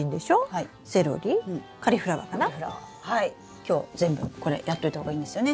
今日全部これやっといた方がいいんですよね？